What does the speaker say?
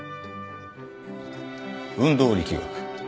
運動力学。